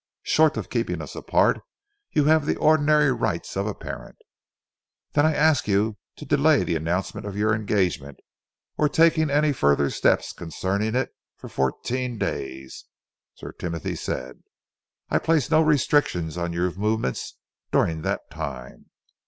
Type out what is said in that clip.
"Short of keeping us apart, you have the ordinary rights of a parent." "Then I ask you to delay the announcement of your engagement, or taking any further steps concerning it, for fourteen days," Sir Timothy said. "I place no restrictions on your movements during that time.